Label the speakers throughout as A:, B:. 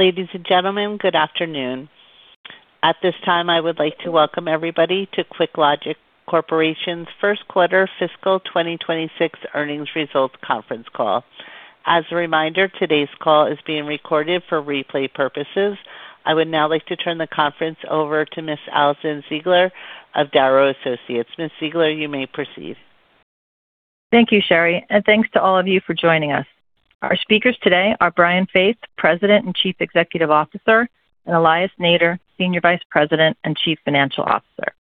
A: Ladies and gentlemen, good afternoon. At this time, I would like to welcome everybody to QuickLogic Corporation's first quarter fiscal 2026 earnings results conference call. As a reminder, today's call is being recorded for replay purposes. I would now like to turn the conference over to Ms. Alison Ziegler of Darrow Associates. Ms. Ziegler, you may proceed.
B: Thank you, Sherry, and thanks to all of you for joining us. Our speakers today are Brian Faith, President and Chief Executive Officer, and Elias Nader, Senior Vice President and Chief Financial Officer.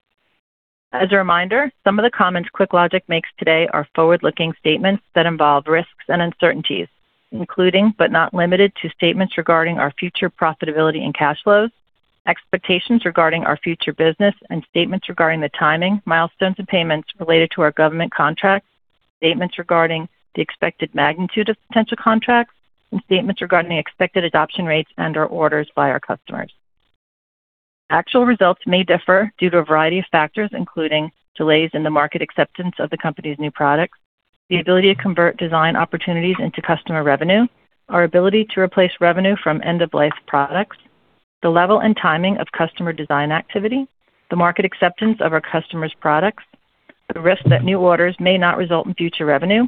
B: As a reminder, some of the comments QuickLogic makes today are forward-looking statements that involve risks and uncertainties, including, but not limited to, statements regarding our future profitability and cash flows, expectations regarding our future business and statements regarding the timing, milestones, and payments related to our government contracts, statements regarding the expected magnitude of potential contracts, and statements regarding the expected adoption rates and/or orders by our customers. Actual results may differ due to a variety of factors, including delays in the market acceptance of the company's new products, the ability to convert design opportunities into customer revenue, our ability to replace revenue from end-of-life products, the level and timing of customer design activity, the market acceptance of our customers' products, the risk that new orders may not result in future revenue,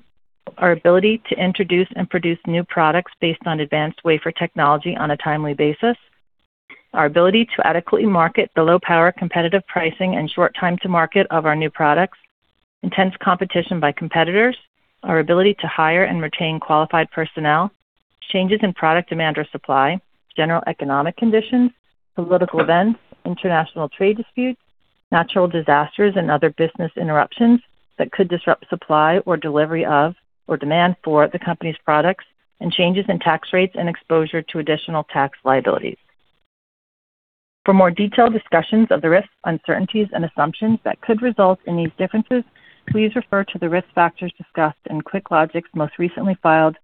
B: our ability to introduce and produce new products based on advanced wafer technology on a timely basis, Our ability to adequately market the low power, competitive pricing, and short time to market of our new products, intense competition by competitors, our ability to hire and retain qualified personnel, changes in product demand or supply, general economic conditions, political events, international trade disputes, natural disasters and other business interruptions that could disrupt supply or delivery of, or demand for the company's products, and changes in tax rates and exposure to additional tax liabilities. For more detailed discussions of the risks, uncertainties and assumptions that could result in these differences, please refer to the risk factors discussed in QuickLogic's most recently filed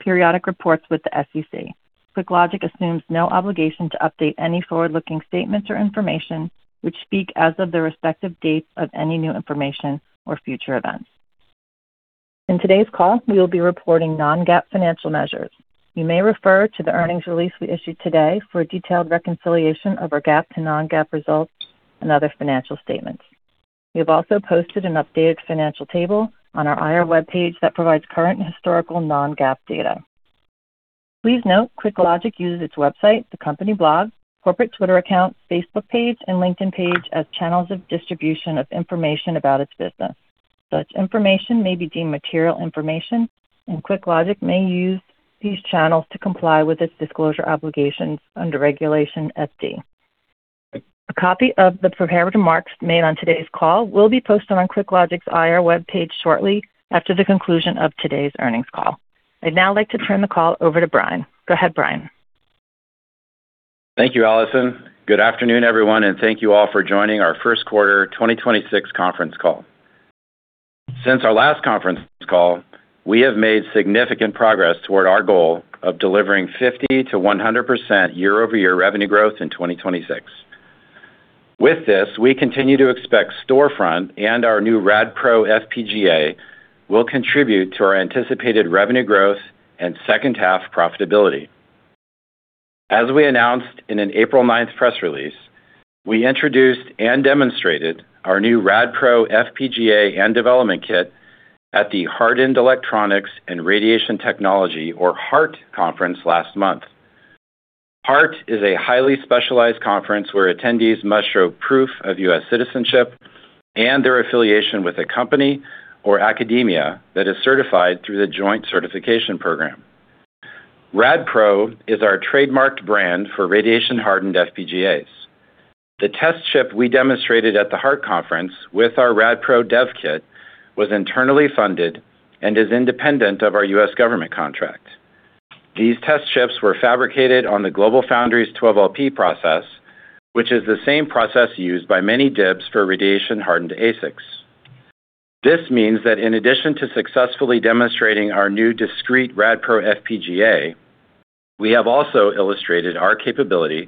B: periodic reports with the SEC. QuickLogic assumes no obligation to update any forward-looking statements or information which speak as of the respective dates of any new information or future events. In today's call, we will be reporting non-GAAP financial measures. You may refer to the earnings release we issued today for a detailed reconciliation of our GAAP to non-GAAP results and other financial statements. We have also posted an updated financial table on our IR webpage that provides current and historical non-GAAP data. Please note, QuickLogic uses its website, the company blog, corporate Twitter account, Facebook page, and LinkedIn page as channels of distribution of information about its business. Such information may be deemed material information. QuickLogic may use these channels to comply with its disclosure obligations under Regulation FD. A copy of the prepared remarks made on today's call will be posted on QuickLogic's IR webpage shortly after the conclusion of today's earnings call. I'd now like to turn the call over to Brian. Go ahead, Brian.
C: Thank you, Alison. Good afternoon, everyone, thank you all for joining our first quarter 2026 conference call. Since our last conference call, we have made significant progress toward our goal of delivering 50%-100% year-over-year revenue growth in 2026. With this, we continue to expect storefront and our new RadPro FPGA will contribute to our anticipated revenue growth and second half profitability. As we announced in an April 9th press release, we introduced and demonstrated our new RadPro FPGA and development kit at the Hardened Electronics and Radiation Technology, or HEART, Conference last month. HEART is a highly specialized conference where attendees must show proof of U.S. citizenship and their affiliation with a company or academia that is certified through the Joint Certification Program. RadPro is our trademarked brand for radiation-hardened FPGAs. The test chip we demonstrated at the HEART Conference with our RadPro dev kit was internally funded and is independent of our U.S. government contract. These test chips were fabricated on the GlobalFoundries 12LP process, which is the same process used by many DIBs for radiation-hardened ASICs. This means that in addition to successfully demonstrating our new discrete RadPro FPGA, we have also illustrated our capability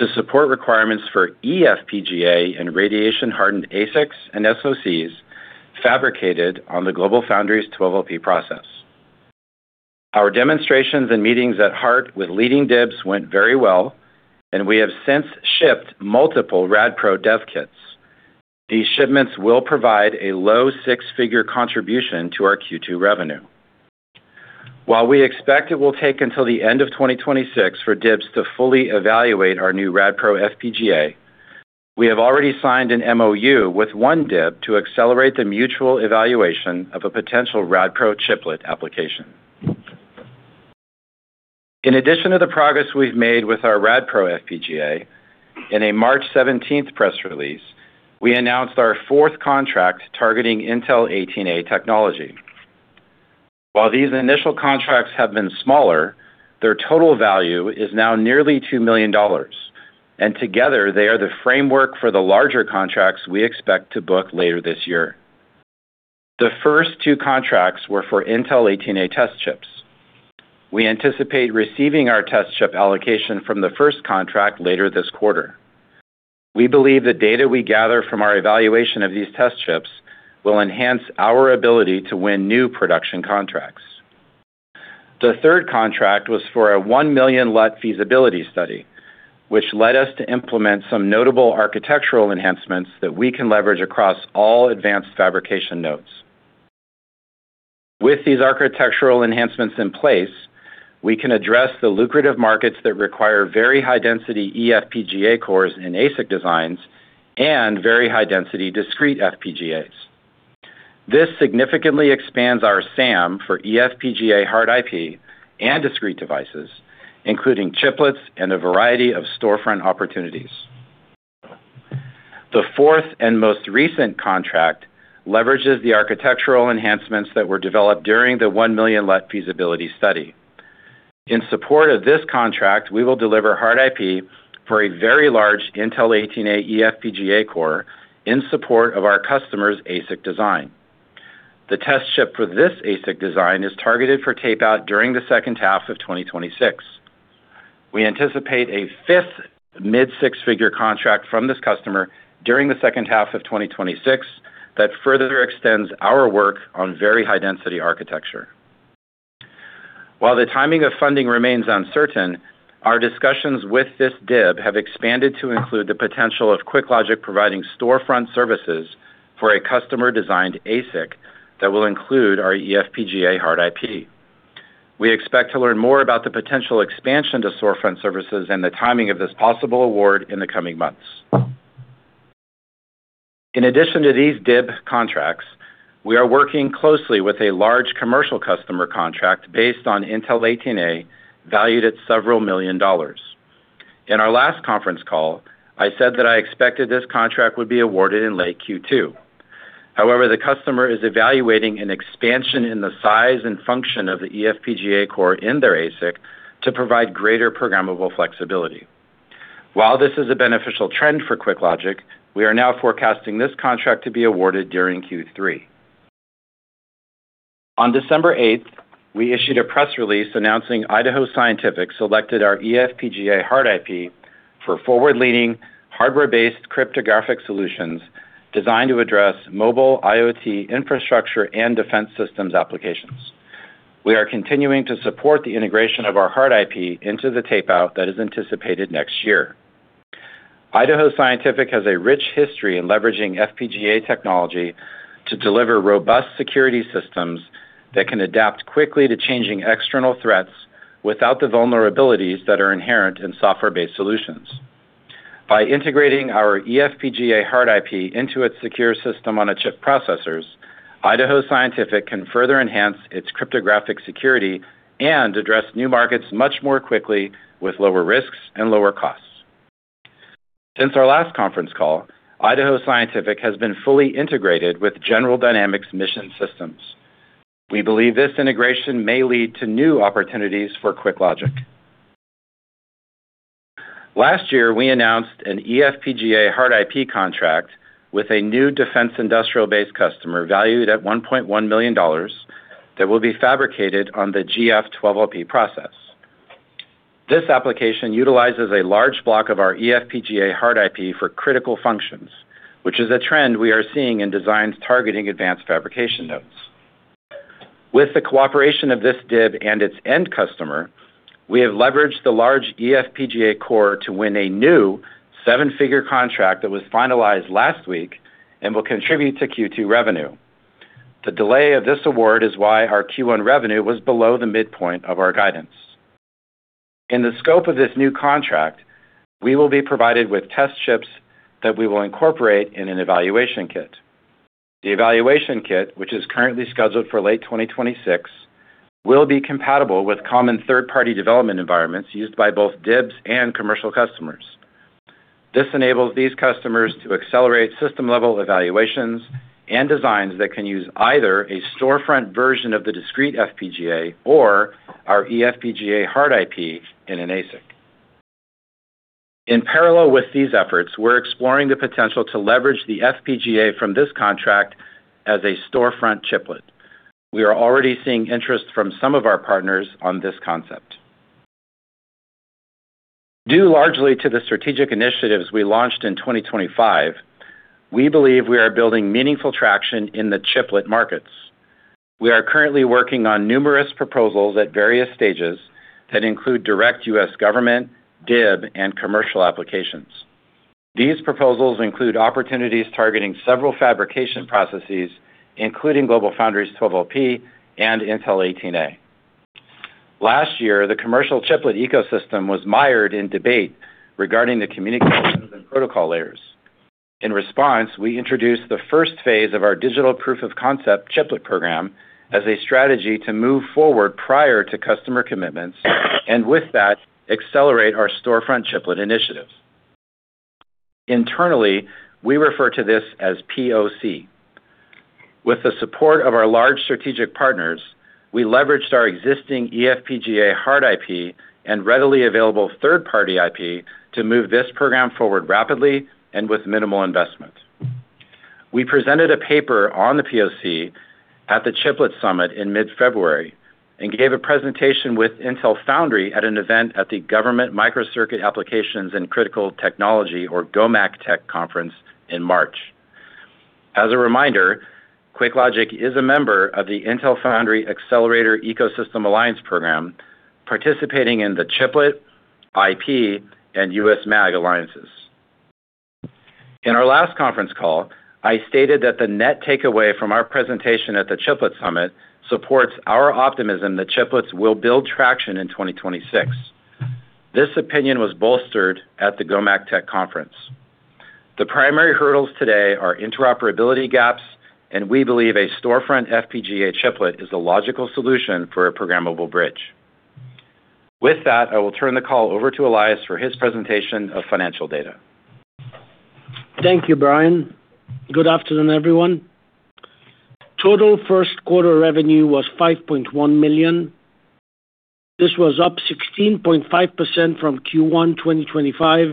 C: to support requirements for eFPGA in radiation-hardened ASICs and SoCs fabricated on the GlobalFoundries 12LP process. Our demonstrations and meetings at HEART with leading DIBs went very well, and we have since shipped multiple RadPro dev kits. These shipments will provide a low six-figure contribution to our Q2 revenue. While we expect it will take until the end of 2026 for DIBs to fully evaluate our new RadPro FPGA, we have already signed an MoU with one DIB to accelerate the mutual evaluation of a potential RadPro chiplet application. In addition to the progress we've made with our RadPro FPGA, in a March 17th press release, we announced our fourth contract targeting Intel 18A technology. While these initial contracts have been smaller, their total value is now nearly $2 million, and together they are the framework for the larger contracts we expect to book later this year. The first two contracts were for Intel 18A test chips. We anticipate receiving our test chip allocation from the first contract later this quarter. We believe the data we gather from our evaluation of these test chips will enhance our ability to win new production contracts. The third contract was for a 1 million LUT feasibility study, which led us to implement some notable architectural enhancements that we can leverage across all advanced fabrication nodes. With these architectural enhancements in place, we can address the lucrative markets that require very high-density eFPGA cores in ASIC designs and very high-density discrete FPGAs. This significantly expands our SAM for eFPGA hard IP and discrete devices, including chiplets and a variety of storefront opportunities. The fourth and most recent contract leverages the architectural enhancements that were developed during the 1 million LUT feasibility study. In support of this contract, we will deliver hard IP for a very large Intel 18A eFPGA core in support of our customer's ASIC design. The test chip for this ASIC design is targeted for tape-out during the second half of 2026. We anticipate a fifth mid-six-figure contract from this customer during the second half of 2026 that further extends our work on very high-density architecture. While the timing of funding remains uncertain, our discussions with this DIB have expanded to include the potential of QuickLogic providing storefront services for a customer-designed ASIC that will include our eFPGA hard IP. We expect to learn more about the potential expansion to storefront services and the timing of this possible award in the coming months. In addition to these DIB contracts, we are working closely with a large commercial customer contract based on Intel 18A, valued at several million dollars. In our last conference call, I said that I expected this contract would be awarded in late Q2. The customer is evaluating an expansion in the size and function of the eFPGA core in their ASIC to provide greater programmable flexibility. While this is a beneficial trend for QuickLogic, we are now forecasting this contract to be awarded during Q3. On December 8th, we issued a press release announcing Idaho Scientific selected our eFPGA hard IP for forward-leaning, hardware-based cryptographic solutions designed to address mobile IoT infrastructure and defense systems applications. We are continuing to support the integration of our hard IP into the tape-out that is anticipated next year. Idaho Scientific has a rich history in leveraging FPGA technology to deliver robust security systems that can adapt quickly to changing external threats without the vulnerabilities that are inherent in software-based solutions. By integrating our eFPGA hard IP into its secure system-on-a-chip processors, Idaho Scientific can further enhance its cryptographic security and address new markets much more quickly with lower risks and lower costs. Since our last conference call, Idaho Scientific has been fully integrated with General Dynamics Mission Systems. We believe this integration may lead to new opportunities for QuickLogic. Last year, we announced an eFPGA hard IP contract with a new Defense Industrial Base customer valued at $1.1 million that will be fabricated on the GF 12LP process. This application utilizes a large block of our eFPGA hard IP for critical functions, which is a trend we are seeing in designs targeting advanced fabrication nodes. With the cooperation of this DIB and its end customer, we have leveraged the large eFPGA core to win a new seven-figure contract that was finalized last week and will contribute to Q2 revenue. The delay of this award is why our Q1 revenue was below the midpoint of our guidance. In the scope of this new contract, we will be provided with test chips that we will incorporate in an evaluation kit. The evaluation kit, which is currently scheduled for late 2026, will be compatible with common third-party development environments used by both DIBs and commercial customers. This enables these customers to accelerate system-level evaluations and designs that can use either a storefront version of the discrete FPGA or our eFPGA hard IP in an ASIC. In parallel with these efforts, we're exploring the potential to leverage the FPGA from this contract as a storefront chiplet. We are already seeing interest from some of our partners on this concept. Due largely to the strategic initiatives we launched in 2025, we believe we are building meaningful traction in the chiplet markets. We are currently working on numerous proposals at various stages that include direct U.S. government, DIB, and commercial applications. These proposals include opportunities targeting several fabrication processes, including GlobalFoundries 12LP and Intel 18A. Last year, the commercial chiplet ecosystem was mired in debate regarding the communication and protocol layers. In response, we introduced the first phase of our digital proof of concept chiplet program as a strategy to move forward prior to customer commitments, and with that, accelerate our storefront chiplet initiatives. Internally, we refer to this as POC. With the support of our large strategic partners, we leveraged our existing eFPGA hard IP and readily available third-party IP to move this program forward rapidly and with minimal investment. We presented a paper on the POC at the Chiplet Summit in mid-February and gave a presentation with Intel Foundry at an event at the Government Microcircuit Applications and Critical Technology, or GOMACTech Conference, in March. As a reminder, QuickLogic is a member of the Intel Foundry Accelerator Ecosystem Alliance program, participating in the Chiplet, IP, and USMAG alliances. In our last conference call, I stated that the net takeaway from our presentation at the Chiplet Summit supports our optimism that chiplets will build traction in 2026. This opinion was bolstered at the GOMACTech conference. The primary hurdles today are interoperability gaps, and we believe a storefront FPGA chiplet is a logical solution for a programmable bridge. With that, I will turn the call over to Elias for his presentation of financial data.
D: Thank you, Brian. Good afternoon, everyone. Total first quarter revenue was $5.1 million. This was up 16.5% from Q1 2025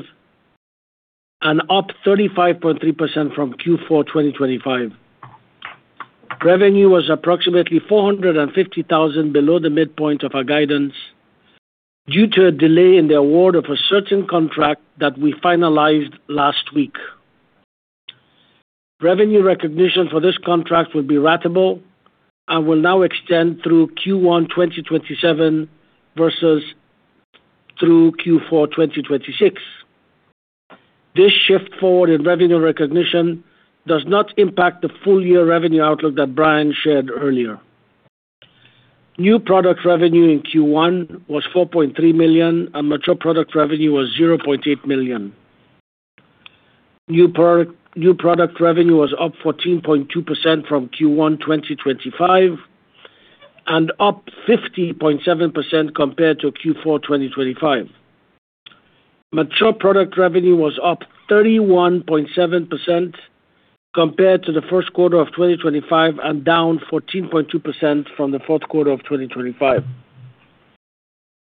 D: and up 35.3% from Q4 2025. Revenue was approximately $450,000 below the midpoint of our guidance due to a delay in the award of a certain contract that we finalized last week. Revenue recognition for this contract will be ratable and will now extend through Q1 2027 versus through Q4 2026. This shift forward in revenue recognition does not impact the full-year revenue outlook that Brian shared earlier. New product revenue in Q1 was $4.3 million, and mature product revenue was $0.8 million. New product revenue was up 14.2% from Q1 2025 and up 50.7% compared to Q4 2025. Mature product revenue was up 31.7% compared to the first quarter of 2025 and down 14.2% from the fourth quarter of 2025.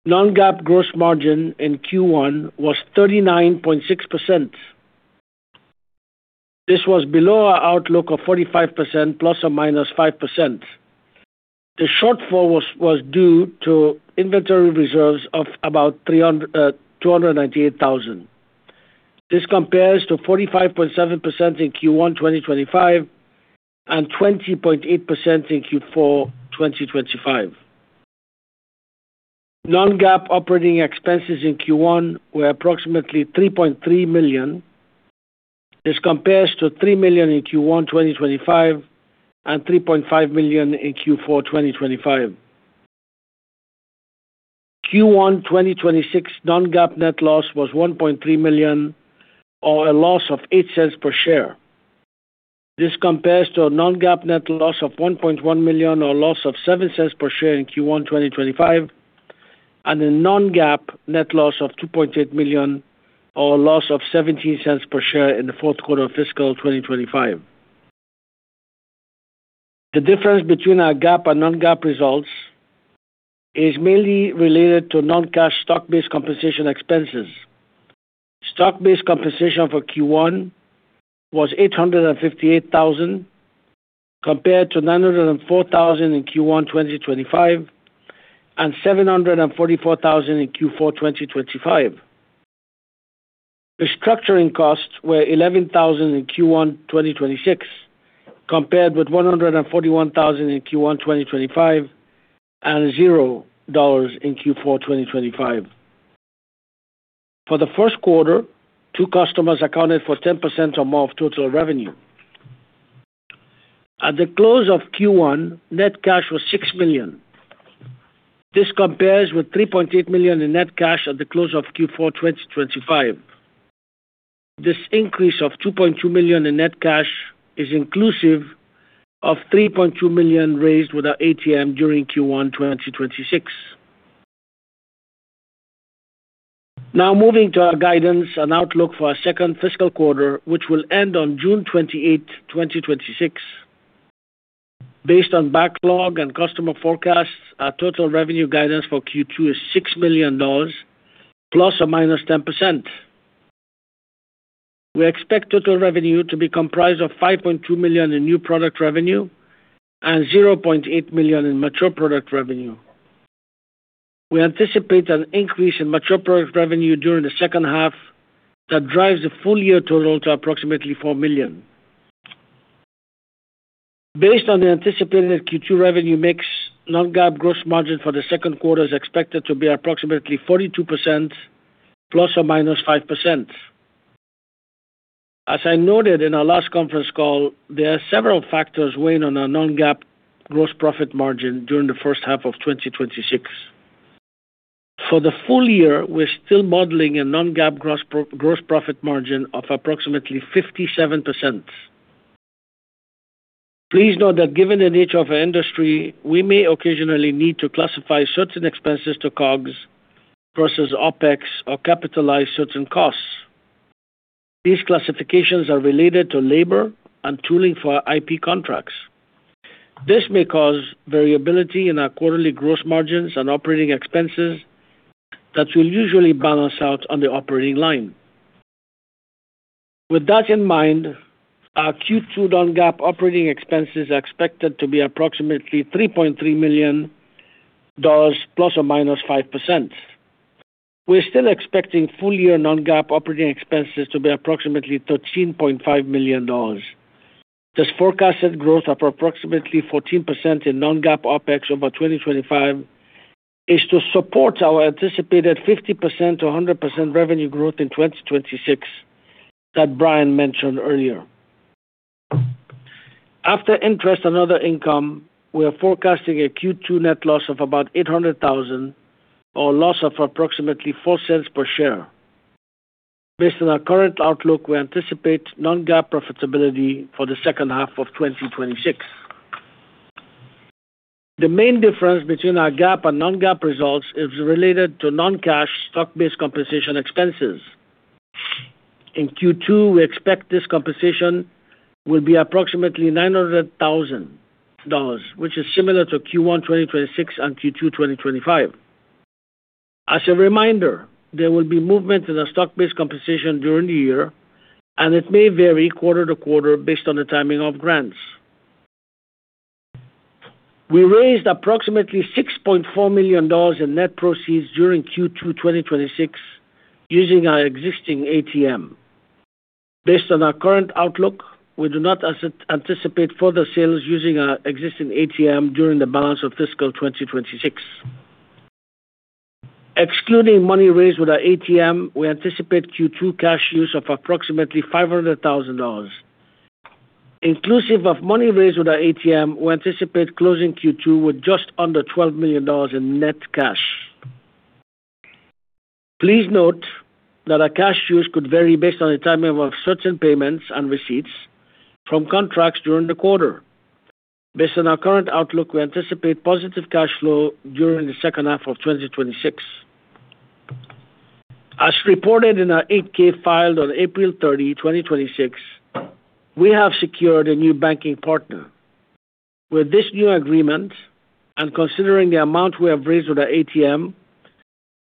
D: Non-GAAP gross margin in Q1 was 39.6%. This was below our outlook of 45% ±5%. The shortfall was due to inventory reserves of about $298,000. This compares to 45.7% in Q1 2025 and 20.8% in Q4 2025. Non-GAAP Operating Expenses in Q1 were approximately $3.3 million. This compares to $3 million in Q1 2025 and $3.5 million in Q4 2025. Q1 2026 Non-GAAP net loss was $1.3 million or a loss of $0.08 per share. This compares to a non-GAAP net loss of $1.1 million or a loss of $0.07 per share in Q1 2025 and a non-GAAP net loss of $2.8 million or a loss of $0.17 per share in the fourth quarter of fiscal 2025. The difference between our GAAP and non-GAAP results is mainly related to non-cash stock-based compensation expenses. Stock-based compensation for Q1 was $858,000 compared to $904,000 in Q1 2025 and $744,000 in Q4 2025. Restructuring costs were $11,000 in Q1 2026 compared with $141,000 in Q1 2025 and $0 in Q4 2025. For the first quarter, two customers accounted for 10% or more of total revenue. At the close of Q1, net cash was $6 million. This compares with $3.8 million in net cash at the close of Q4 2025. This increase of $2.2 million in net cash is inclusive of $3.2 million raised with our ATM during Q1 2026. Moving to our guidance and outlook for our second fiscal quarter, which will end on June 28, 2026. Based on backlog and customer forecasts, our total revenue guidance for Q2 is $6 million ±10%. We expect total revenue to be comprised of $5.2 million in new product revenue and $0.8 million in mature product revenue. We anticipate an increase in mature product revenue during the second half that drives the full-year total to approximately $4 million. Based on the anticipated Q2 revenue mix, non-GAAP gross margin for the second quarter is expected to be approximately 42% ±5%. As I noted in our last conference call, there are several factors weighing on our non-GAAP gross profit margin during the first half of 2026. For the full year, we're still modeling a non-GAAP gross profit margin of approximately 57%. Please note that given the nature of our industry, we may occasionally need to classify certain expenses to COGS versus OpEx or capitalize certain costs. These classifications are related to labor and tooling for our IP contracts. This may cause variability in our quarterly gross margins and operating expenses that will usually balance out on the operating line. With that in mind, our Q2 non-GAAP operating expenses are expected to be approximately $3.3 million ±5%. We're still expecting full-year non-GAAP Operating Expenses to be approximately $13.5 million. This forecasted growth of approximately 14% in non-GAAP OpEx over 2025 is to support our anticipated 50%-100% revenue growth in 2026 that Brian mentioned earlier. After interest and other income, we are forecasting a Q2 net loss of about $800,000, or a loss of approximately $0.04 per share. Based on our current outlook, we anticipate non-GAAP profitability for the second half of 2026. The main difference between our GAAP and non-GAAP results is related to non-cash stock-based compensation expenses. In Q2, we expect this compensation will be approximately $900,000, which is similar to Q1 2026 and Q2 2025. As a reminder, there will be movement in our stock-based compensation during the year, and it may vary quarter-to-quarter based on the timing of grants. We raised approximately $6.4 million in net proceeds during Q2 2026 using our existing ATM. Based on our current outlook, we do not anticipate further sales using our existing ATM during the balance of fiscal 2026. Excluding money raised with our ATM, we anticipate Q2 cash use of approximately $500,000. Inclusive of money raised with our ATM, we anticipate closing Q2 with just under $12 million in net cash. Please note that our cash use could vary based on the timing of certain payments and receipts from contracts during the quarter. Based on our current outlook, we anticipate positive cash flow during the second half of 2026. As reported in our 8-K filed on April 30, 2026, we have secured a new banking partner. With this new agreement, and considering the amount we have raised with our ATM,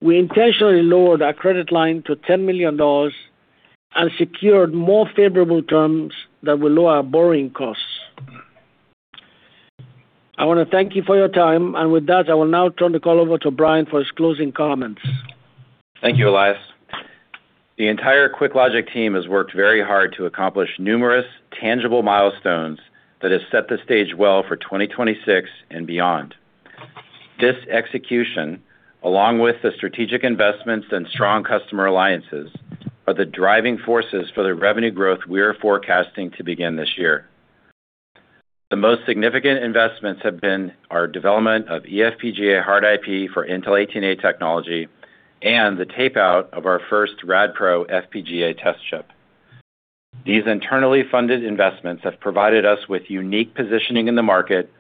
D: we intentionally lowered our credit line to $10 million and secured more favorable terms that will lower our borrowing costs. I want to thank you for your time, and with that, I will now turn the call over to Brian for his closing comments.
C: Thank you, Elias. The entire QuickLogic team has worked very hard to accomplish numerous tangible milestones that has set the stage well for 2026 and beyond. This execution, along with the strategic investments and strong customer alliances, are the driving forces for the revenue growth we are forecasting to begin this year. The most significant investments have been our development of eFPGA hard IP for Intel 18A technology and the tape-out of our first RadPro FPGA test chip. These internally funded investments have provided us with unique positioning in the market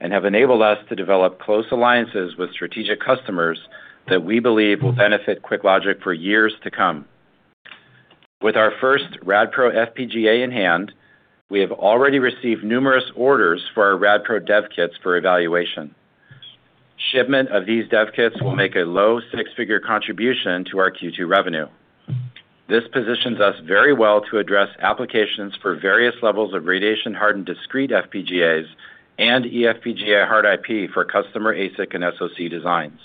C: and have enabled us to develop close alliances with strategic customers that we believe will benefit QuickLogic for years to come. With our first RadPro FPGA in hand, we have already received numerous orders for our RadPro dev kits for evaluation. Shipment of these dev kits will make a low six-figure contribution to our Q2 revenue. This positions us very well to address applications for various levels of radiation hardened discrete FPGAs and eFPGA hard IP for customer ASIC and SoC designs.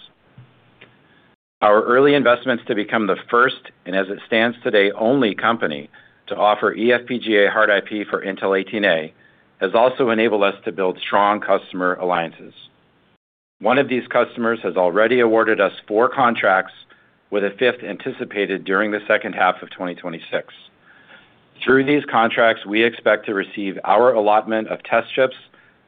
C: Our early investments to become the first, and as it stands today, only company to offer eFPGA hard IP for Intel 18A has also enabled us to build strong customer alliances. One of these customers has already awarded us four contracts with a fifth anticipated during the second half of 2026. Through these contracts, we expect to receive our allotment of test chips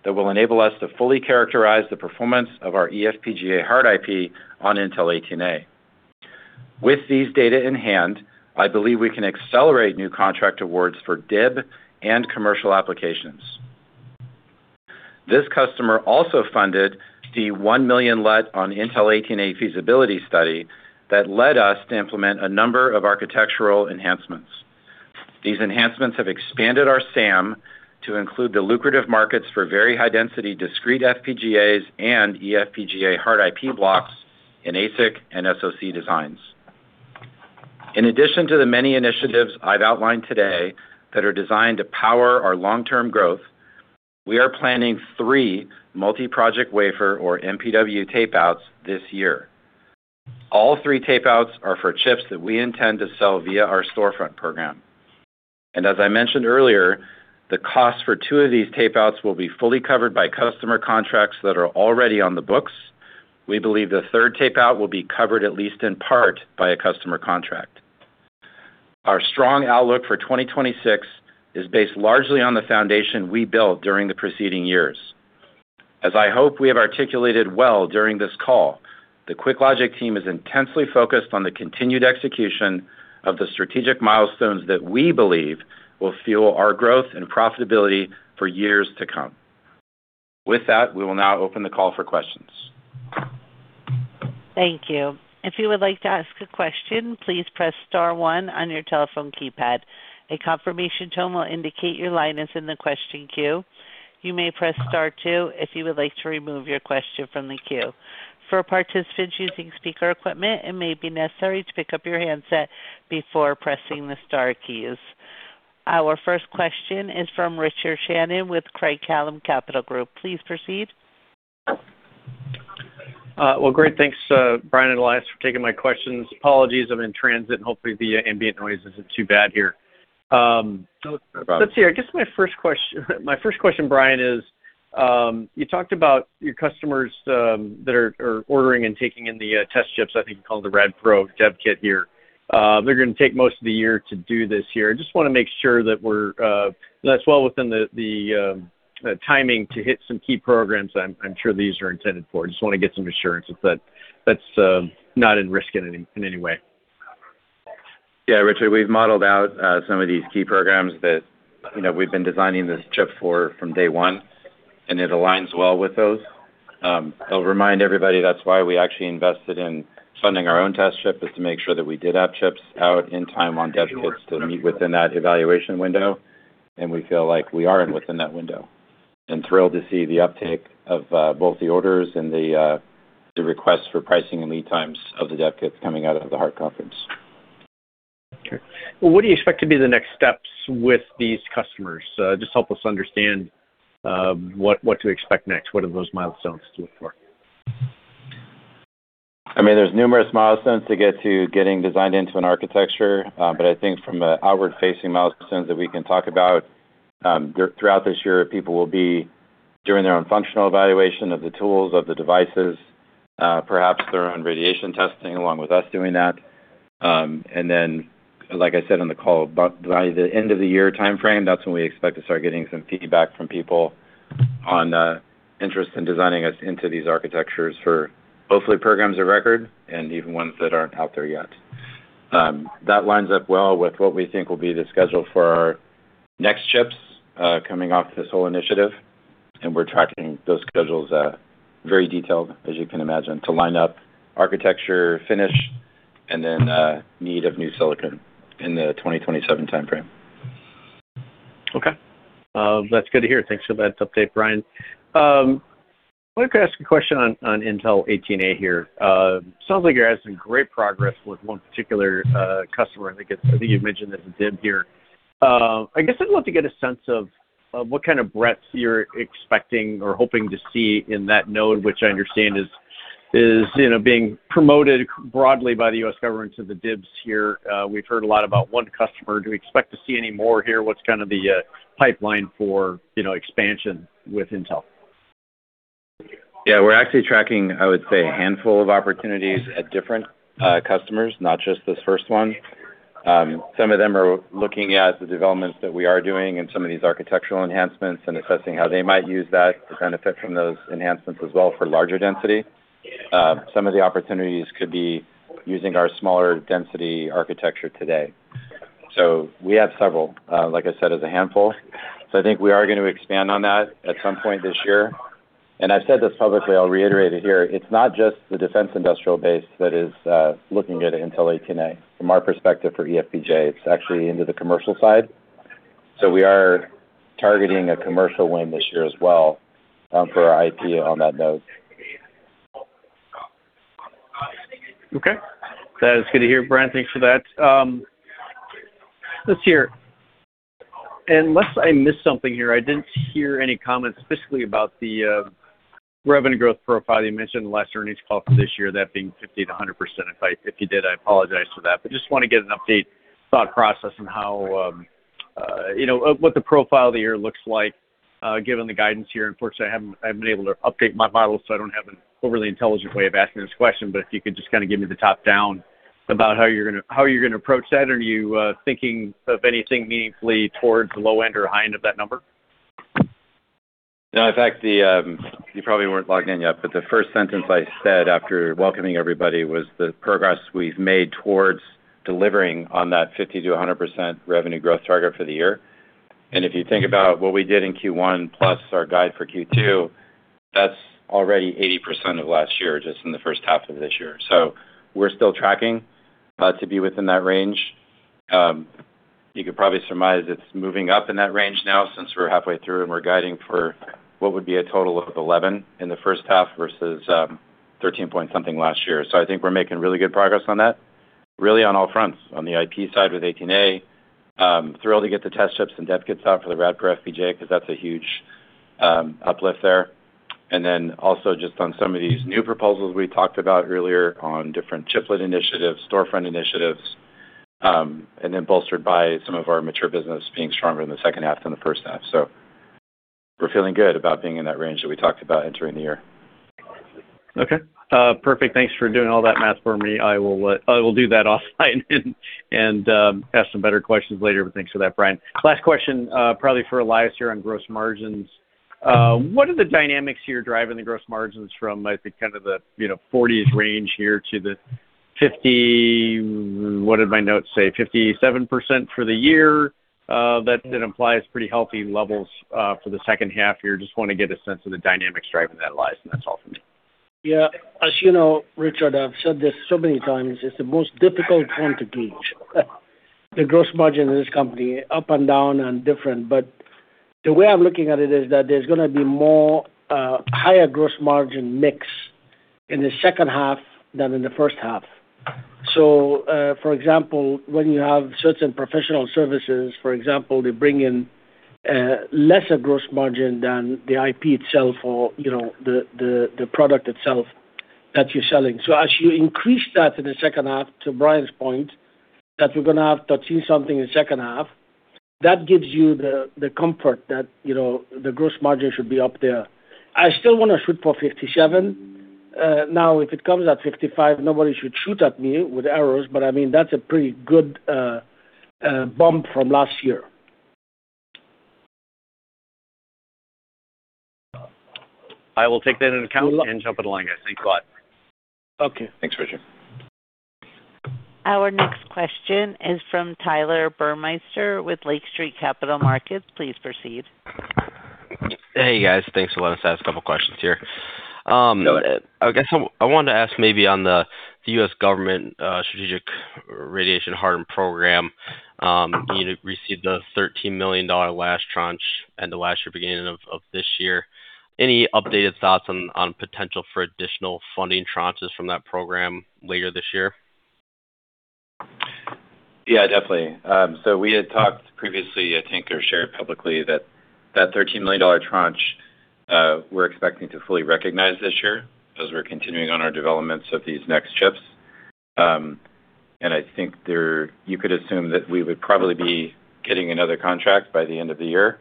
C: that will enable us to fully characterize the performance of our eFPGA hard IP on Intel 18A. With these data in hand, I believe we can accelerate new contract awards for DIB and commercial applications. This customer also funded the $1 million LUT on Intel 18A feasibility study that led us to implement a number of architectural enhancements. These enhancements have expanded our SAM to include the lucrative markets for very high-density discrete FPGAs and eFPGA hard IP blocks in ASIC and SoC designs. In addition to the many initiatives I've outlined today that are designed to power our long-term growth, we are planning three multi-project wafer or MPW tape-outs this year. All three tape-outs are for chips that we intend to sell via our storefront program. As I mentioned earlier, the cost for two of these tape-outs will be fully covered by customer contracts that are already on the books. We believe the third tape-out will be covered at least in part by a customer contract. Our strong outlook for 2026 is based largely on the foundation we built during the preceding years. As I hope we have articulated well during this call, the QuickLogic team is intensely focused on the continued execution of the strategic milestones that we believe will fuel our growth and profitability for years to come. With that, we will now open the call for questions.
A: Thank you. If you would like to ask a question, please press star one on your telephone keypad. A confirmation tone will indicate your line is in the question queue. You may press star two if you would like to remove your question from the queue. For participants using speaker equipment, it may be necessary to pick up your headsets before pressing the star queues. Our first question is from Richard Shannon with Craig-Hallum Capital Group. Please proceed.
E: Well, great. Thanks, Brian and Elias, for taking my questions. Apologies, I'm in transit. Hopefully the ambient noise isn't too bad here. Let's see. I guess my first question, Brian, is you talked about your customers that are ordering and taking in the test chips, I think you called the RadPro dev kit here. They're gonna take most of the year to do this here. I just wanna make sure that we're that's well within the timing to hit some key programs I'm sure these are intended for. Just wanna get some assurances that that's not in risk in any way.
C: Yeah, Richard, we've modeled out, some of these key programs that, you know, we've been designing this chip for from day one, and it aligns well with those. I'll remind everybody, that's why we actually invested in funding our own test chip, is to make sure that we did have chips out in time on dev kits to meet within that evaluation window, and we feel like we are within that window. Thrilled to see the uptick of, both the orders and the requests for pricing and lead times of the dev kits coming out of the HEART Conference.
E: Okay. Well, what do you expect to be the next steps with these customers? Just help us understand what to expect next. What are those milestones to look for?
C: I mean, there's numerous milestones to get to getting designed into an architecture, I think from a outward-facing milestones that we can talk about, throughout this year, people will be doing their own functional evaluation of the tools, of the devices, perhaps their own radiation testing along with us doing that. Like I said on the call, about by the end of the year timeframe, that's when we expect to start getting some feedback from people on interest in designing us into these architectures for hopefully programs of record and even ones that aren't out there yet. That lines up well with what we think will be the schedule for our next chips, coming off this whole initiative, and we're tracking those schedules, very detailed, as you can imagine, to line up architecture finish and then, need of new silicon in the 2027 timeframe.
E: Okay. That's good to hear. Thanks for that update, Brian. Like to ask a question on Intel 18A here. Sounds like you're having some great progress with one particular customer. I think you mentioned it as a DIB here. I guess I'd love to get a sense of what kind of breadths you're expecting or hoping to see in that node, which I understand is, you know, being promoted broadly by the U.S. government to the DIBs here. We've heard a lot about one customer. Do we expect to see any more here? What's kind of the pipeline for, you know, expansion with Intel?
C: Yeah, we're actually tracking, I would say, a handful of opportunities at different customers, not just this first one. Some of them are looking at the developments that we are doing and some of these architectural enhancements and assessing how they might use that to benefit from those enhancements as well for larger density. Some of the opportunities could be using our smaller density architecture today. We have several, like I said, as a handful. I think we are gonna expand on that at some point this year. I've said this publicly, I'll reiterate it here, it's not just the Defense Industrial Base that is looking at Intel 18A. From our perspective for eFPGA, it's actually into the commercial side. We are targeting a commercial win this year as well, for our IP on that node.
E: Okay. That is good to hear, Brian. Thanks for that. Let's hear. Unless I missed something here, I didn't hear any comments specifically about the revenue growth profile you mentioned last earnings call for this year, that being 50%-100%. If you did, I apologize for that. Just wanna get an update, thought process on how, you know, of what the profile of the year looks like, given the guidance here. Unfortunately, I haven't been able to update my model, so I don't have an overly intelligent way of asking this question. If you could just kinda give me the top-down about how you're gonna approach that. Are you thinking of anything meaningfully towards low end or high end of that number?
C: No. In fact, the, you probably weren't logged in yet, but the first sentence I said after welcoming everybody was the progress we've made towards delivering on that 50%-100% revenue growth target for the year. If you think about what we did in Q1 plus our guide for Q2, that's already 80% of last year just in the first half of this year. We're still tracking to be within that range. You could probably surmise it's moving up in that range now since we're halfway through and we're guiding for what would be a total of $11 million in the first half versus $13 point something million last year. I think we're making really good progress on that, really on all fronts. On the IP side with 18A, thrilled to get the test chips and dev kits out for the RadPro FPGA 'cause that's a huge uplift there. Also just on some of these new proposals we talked about earlier on different chiplet initiatives, storefront initiatives, and then bolstered by some of our mature business being stronger in the second half than the first half. We're feeling good about being in that range that we talked about entering the year.
E: Okay. Perfect. Thanks for doing all that math for me. I will do that offline and ask some better questions later, but thanks for that, Brian. Last question, probably for Elias here on gross margins. What are the dynamics here driving the gross margins from, I think, kind of the, you know, 40s% range here to the...50%, what did my note say? 57% for the year, that implies pretty healthy levels for the second half year. Just want to get a sense of the dynamics driving that lift, and that's all for me.
D: As you know, Richard, I've said this so many times, it's the most difficult one to gauge, the gross margin in this company, up and down and different. The way I'm looking at it is that there's gonna be more higher gross margin mix in the second half than in the first half. For example, when you have certain professional services, for example, they bring in lesser gross margin than the IP itself or, you know, the product itself that you're selling. As you increase that in the second half, to Brian's point, that we're gonna have to achieve something in the second half, that gives you the comfort that, you know, the gross margin should be up there. I still wanna shoot for 57%. Now, if it comes at 55%, nobody should shoot at me with arrows, but, I mean, that's a pretty good bump from last year.
E: I will take that into account and jump in the line, I think. Bye.
D: Okay.
C: Thanks, Richard.
A: Our next question is from Tyler Burmeister with Lake Street Capital Markets. Please proceed.
F: Hey, guys. Thanks. I'll just ask a couple questions here.
C: Go ahead.
F: I wanted to ask maybe on the U.S. government strategic radiation-hardened program, you received a $13 million last tranche and the last year beginning of this year. Any updated thoughts on potential for additional funding tranches from that program later this year?
C: Yeah, definitely. We had talked previously, I think, or shared publicly that that $13 million tranche, we're expecting to fully recognize this year as we're continuing on our developments of these next chips. I think you could assume that we would probably be getting another contract by the end of the year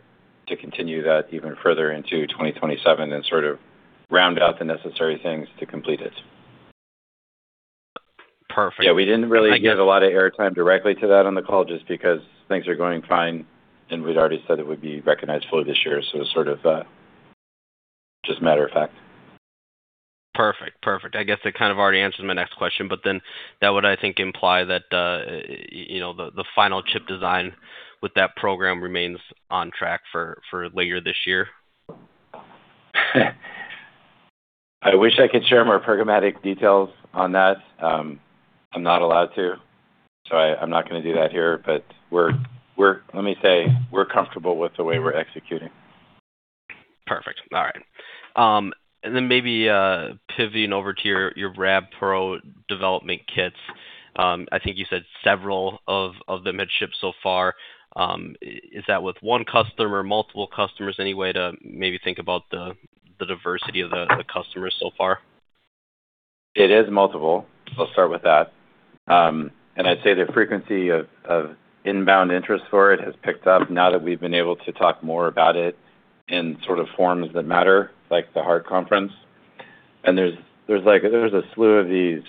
C: to continue that even further into 2027 and sort of round out the necessary things to complete it.
F: Perfect.
C: Yeah, we didn't really give a lot of air time directly to that on the call just because things are going fine, and we'd already said it would be recognized fully this year, sort of just matter of fact.
F: Perfect. Perfect. I guess that kind of already answered my next question. That would, I think, imply that, you know, the final chip design with that program remains on track for later this year.
C: I wish I could share more programmatic details on that. I'm not allowed to, I'm not gonna do that here. Let me say, we're comfortable with the way we're executing.
F: Perfect. All right. Then maybe pivoting over to your RadPro development kits. I think you said several of them had shipped so far. Is that with one customer, multiple customers? Any way to maybe think about the diversity of the customers so far?
C: It is multiple. I'll start with that. I'd say the frequency of inbound interest for it has picked up now that we've been able to talk more about it in sort of forms that matter, like the HEART Conference. There's a slew of these,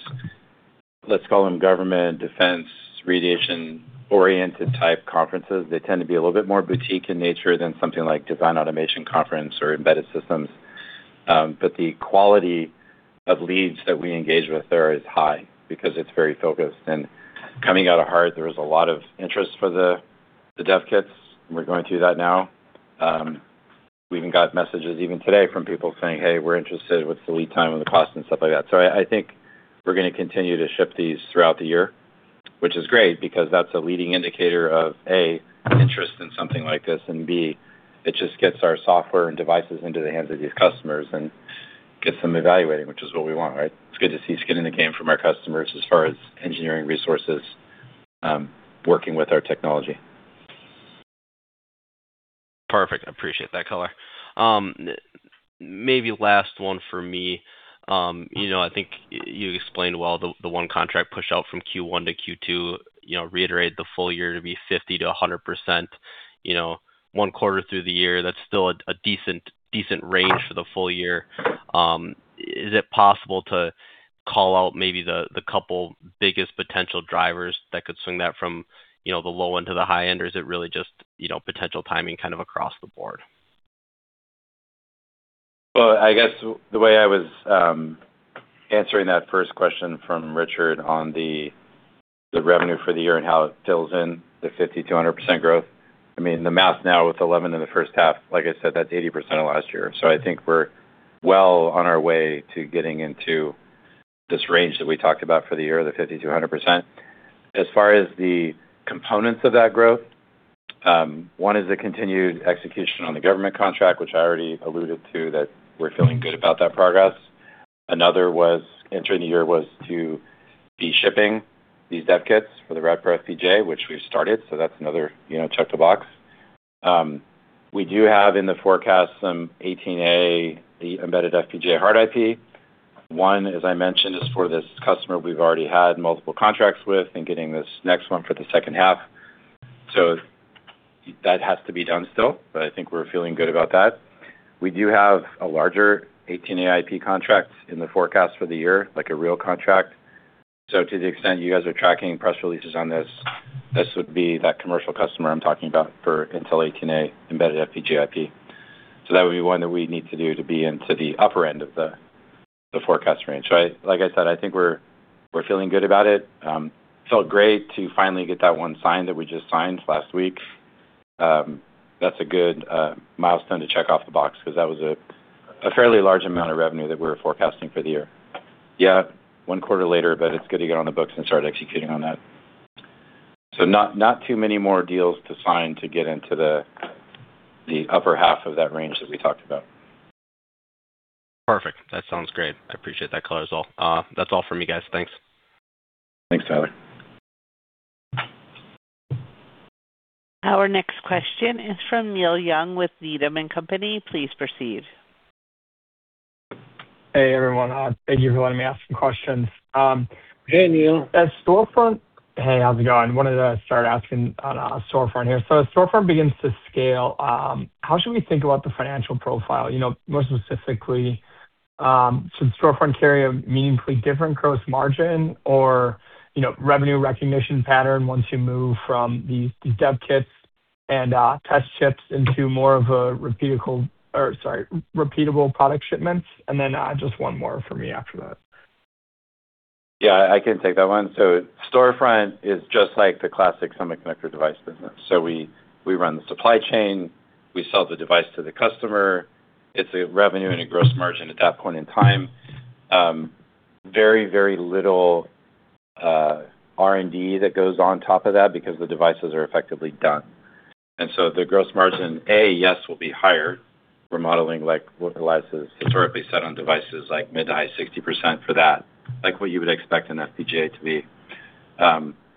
C: let's call them government defense radiation-oriented type conferences. They tend to be a little bit more boutique in nature than something like Design Automation Conference or Embedded Systems. The quality of leads that we engage with there is high because it's very focused. Coming out of HEART, there was a lot of interest for the dev kits, and we're going through that now. We even got messages even today from people saying, "Hey, we're interested. What's the lead time and the cost?" Stuff like that. I think we're gonna continue to ship these throughout the year, which is great because that's a leading indicator of, A, interest in something like this, and B, it just gets our software and devices into the hands of these customers and gets them evaluating, which is what we want, right? It's good to see skin in the game from our customers as far as engineering resources, working with our technology.
F: Perfect. I appreciate that color. Maybe last one for me. You know, I think you explained well the one contract push out from Q1 to Q2, you know, reiterated the full year to be 50%-100%, you know, one quarter through the year, that's still a decent range for the full year. Is it possible to call out maybe the couple biggest potential drivers that could swing that from, you know, the low end to the high end? Or is it really just, you know, potential timing kind of across the board?
C: I guess the way I was answering that first question from Richard on the revenue for the year and how it fills in the 50%-100% growth, I mean, the math now with $11 million in the first half, like I said, that's 80% of last year. I think we're well on our way to getting into this range that we talked about for the year, the 50%-100%. As far as the components of that growth, one is the continued execution on the government contract, which I already alluded to, that we're feeling good about that progress. Another was entering the year was to be shipping these dev kits for the RadPro FPGA, which we've started, so that's another, you know, check the box. We do have in the forecast some 18A, the eFPGA hard IP. One, as I mentioned, is for this customer we've already had multiple contracts with and getting this next one for the second half. That has to be done still, but I think we're feeling good about that. We do have a larger 18A IP contract in the forecast for the year, like a real contract. To the extent you guys are tracking press releases on this would be that commercial customer I'm talking about for Intel 18A embedded FPGA IP. That would be one that we need to do to be into the upper end of the forecast range. Right. Like I said, I think we're feeling good about it. Felt great to finally get that one signed that we just signed last week. That's a good milestone to check off the box because that was a fairly large amount of revenue that we were forecasting for the year. One quarter later, but it's good to get on the books and start executing on that. Not too many more deals to sign to get into the upper half of that range that we talked about.
F: Perfect. That sounds great. I appreciate that color as well. That's all from me, guys. Thanks.
C: Thanks, Tyler.
A: Our next question is from Neil Young with Needham & Company. Please proceed.
G: Hey, everyone. Thank you for letting me ask some questions.
D: Hey, Neil.
G: Hey, how's it going? Wanted to start asking on storefront here. As storefront begins to scale, how should we think about the financial profile? You know, more specifically, should storefront carry a meaningfully different gross margin or, you know, revenue recognition pattern once you move from these dev kits and test chips into more of a repeatable product shipments? Just one more for me after that.
C: Yeah, I can take that one. Storefront is just like the classic semiconductor device business. We run the supply chain, we sell the device to the customer. It's a revenue and a gross margin at that point in time. Very, very little R&D that goes on top of that because the devices are effectively done. The gross margin, A, yes, will be higher. We're modeling, like, what Elias's historically said on devices like mid-high 60% for that, like what you would expect an FPGA to be.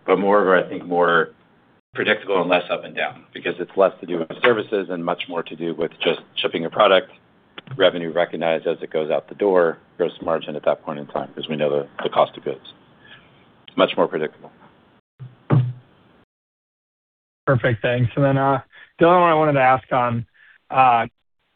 C: More of a, I think, more predictable and less up and down because it's less to do with services and much more to do with just shipping a product. Revenue recognized as it goes out the door, gross margin at that point in time, because we know the cost of goods. Much more predictable.
G: Perfect. Thanks. The only one I wanted to ask on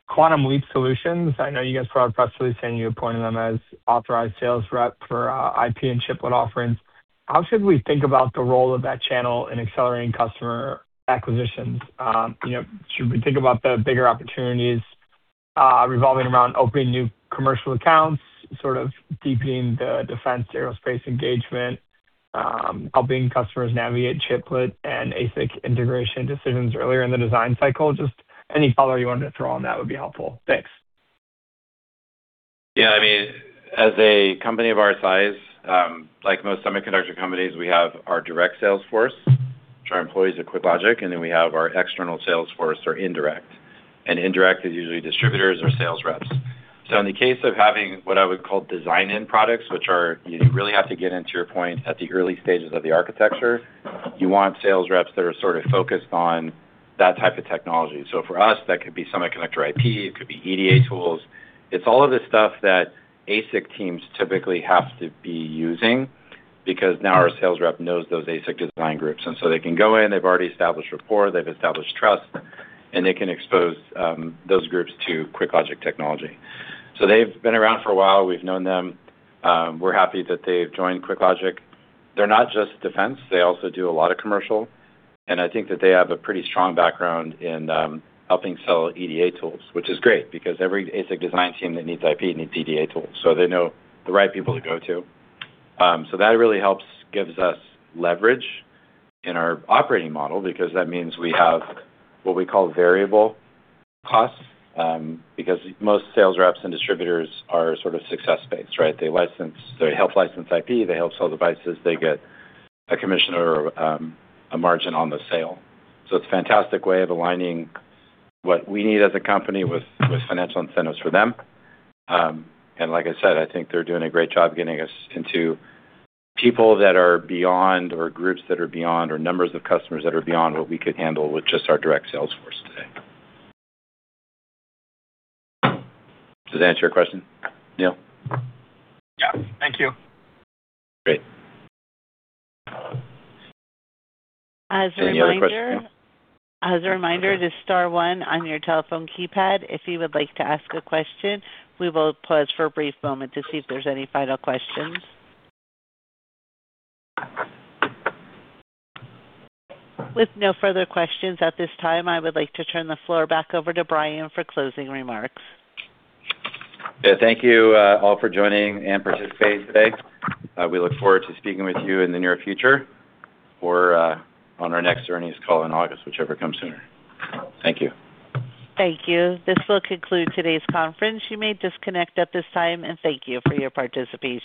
G: Quantum Leap Solutions. I know you guys put out a press release saying you appointed them as authorized sales rep for IP and chiplet offerings. How should we think about the role of that channel in accelerating customer acquisitions? You know, should we think about the bigger opportunities revolving around opening new commercial accounts, sort of deepening the Defense-Aerospace engagement, helping customers navigate chiplet and ASIC integration decisions earlier in the design cycle? Just any color you wanted to throw on that would be helpful. Thanks.
C: Yeah, I mean, as a company of our size, like most semiconductor companies, we have our direct sales force, which are employees at QuickLogic, then we have our external sales force or indirect. Indirect is usually distributors or sales reps. In the case of having what I would call design-in products, which are you really have to get into your point at the early stages of the architecture, you want sales reps that are sort of focused on that type of technology. For us, that could be semiconductor IP, it could be EDA tools. It's all of the stuff that ASIC teams typically have to be using because now our sales rep knows those ASIC design groups, they can go in, they've already established rapport, they've established trust, and they can expose those groups to QuickLogic technology. They've been around for a while. We've known them. We're happy that they've joined QuickLogic. They're not just defense. They also do a lot of commercial. I think that they have a pretty strong background in helping sell EDA tools, which is great because every ASIC design team that needs IP needs EDA tools, so they know the right people to go to. That really helps, gives us leverage in our operating model because that means we have what we call variable costs, because most sales reps and distributors are sort of success-based, right? They help license IP, they help sell devices, they get a commission or a margin on the sale. It's a fantastic way of aligning what we need as a company with financial incentives for them. Like I said, I think they're doing a great job getting us into people that are beyond or groups that are beyond or numbers of customers that are beyond what we could handle with just our direct sales force today. Does that answer your question, Neil?
G: Yeah. Thank you.
C: Great.
A: As a reminder.
C: Any other questions, Neil?
A: As a reminder, to star one on your telephone keypad if you would like to ask a question. We will pause for a brief moment to see if there's any final questions. With no further questions at this time, I would like to turn the floor back over to Brian for closing remarks.
C: Thank you, all for joining and participating today. We look forward to speaking with you in the near future or, on our next earnings call in August, whichever comes sooner. Thank you.
A: Thank you. This will conclude today's conference. You may disconnect at this time. Thank you for your participation.